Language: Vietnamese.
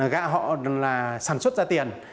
gã họ sản xuất ra tiền